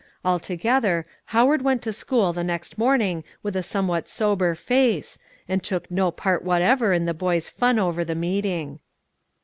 Altogether, Howard went to school the next morning with a somewhat sober face, and took no part whatever in the boys' fun over the meeting.